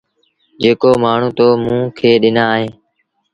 جيڪو مآڻهوٚٚ تو موٚنٚ کي ڏنآ اهينٚ